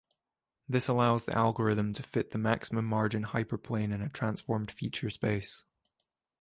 This allows the algorithm to fit the maximum-margin hyperplane in a transformed feature space.